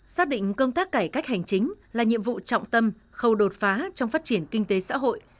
xác định công tác cải cách hành chính là nhiệm vụ trọng tâm khâu đột phá trong phát triển kinh tế xã hội